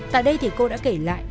tại đây thì cô đã kể lại